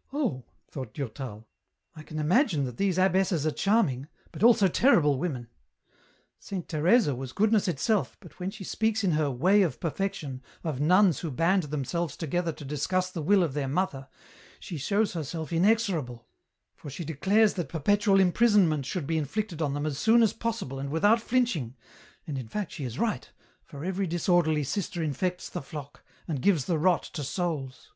" Oh," thought Durtal :" I can imagine that these abbesses are charming, but also terrible women. Saint Teresa was goodness itself, but when she speaks in her * Way of Perfection ' of nuns who band themselves together to discuss the will of their mother, she shows herself inexorable, for she declares that perpetual imprisonment should be inflicted on them as soon as possible and without flinching, and in fact she is right, for every disorderly sister infects the flock, and gives the rot to souls."